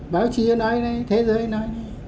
báo chí nói thế thế giới nói thế